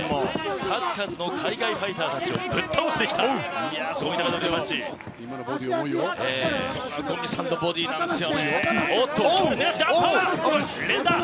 数々の海外ファイターをぶっ倒してきたパンチ。